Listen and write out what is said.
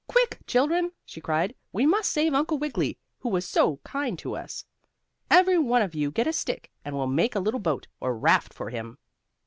"Quick, children!" she cried, "we must save Uncle Wiggily, who was so kind to us! Every one of you get a stick, and we'll make a little boat, or raft, for him!"